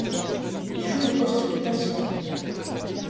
Il joue au poste de passeur.